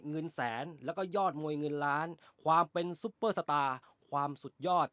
เงินแสนแล้วก็ยอดมวยเงินล้านความเป็นซุปเปอร์สตาร์ความสุดยอด